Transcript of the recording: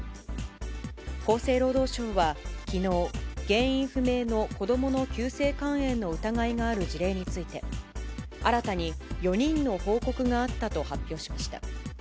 厚生労働省はきのう、原因不明の子どもの急性肝炎の疑いがある事例について、新たに４人の報告があったと発表しました。